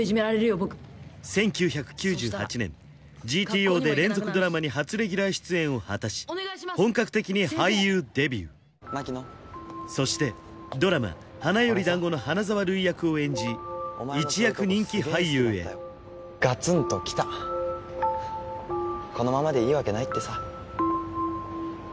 僕１９９８年「ＧＴＯ」で連続ドラマに初レギュラー出演を果たし本格的に俳優デビューそしてドラマ「花より男子」の花沢類役を演じ一躍人気俳優へガツンときたこのままでいいわけないってさ